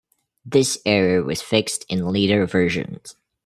This error was fixed in later versions.